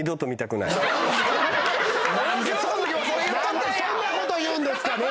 なんでそんなこと言うんですかね